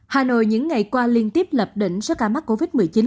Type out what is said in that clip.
hà nội những ngày qua liên tiếp lập đỉnh số ca mắc covid một mươi chín